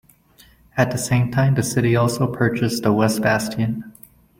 At the same time the city also purchased the West Bastion.